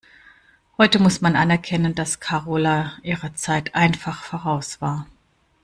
Heute muss man anerkennen, dass Karola ihrer Zeit einfach voraus war.